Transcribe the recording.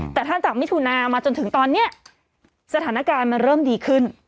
แต่ถ้าจากมิถุนามาจนถึงตอนนี้สถานการณ์มันเริ่มดีขึ้น